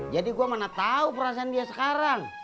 jadi gue mana tau perasaan dia sekarang